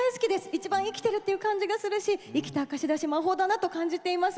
いちばん生きているという感じがするし、生きた証しだし魔法だなと感じています。